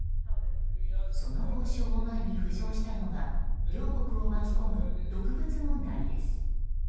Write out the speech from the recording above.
その交渉を前に浮上したのが両国を巻き込む毒物問題です。